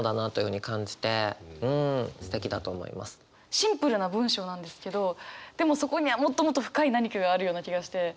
シンプルな文章なんですけどでもそこにはもっともっと深い何かがあるような気がして。